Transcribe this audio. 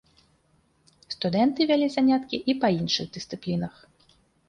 Студэнты вялі заняткі і па іншых дысцыплінах.